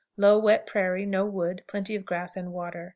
Low, wet prairie; no wood; plenty of grass and water.